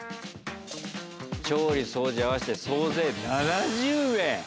調理、掃除合わせて総勢７０名！